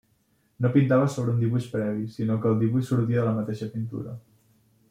No pintava sobre un dibuix previ, sinó que el dibuix sortia de la mateixa pintura.